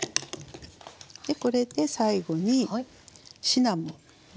でこれで最後にシナモン。